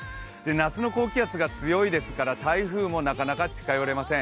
夏の高気圧が強いですから、台風もなかなか近寄れません。